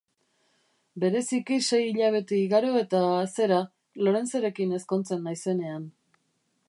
Bereziki sei hilabete igaro eta, zera, Lawrencerekin ezkontzen naizenean.